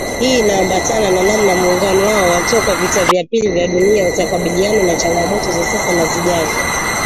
Hii inambatana na namna muungano wao wa toka vita vya pili vya dunia utakabiliana na changamoto za sasa na zijazo